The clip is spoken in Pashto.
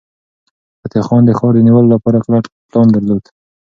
فتح خان د ښار د نیولو لپاره کلک پلان درلود.